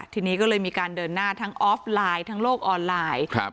ทีนี้ก็เลยมีการเดินหน้าทั้งออฟไลน์ทั้งโลกออนไลน์